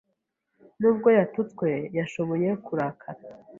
Nubwo yatutswe, yashoboye kurakara.